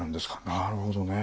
なるほどね。